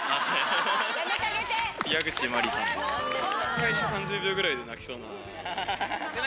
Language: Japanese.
開始３０秒ぐらいで泣きそうな。